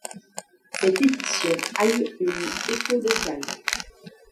Cette édition a eu une écho local.